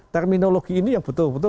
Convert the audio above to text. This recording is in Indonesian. terminologi ini yang betul betul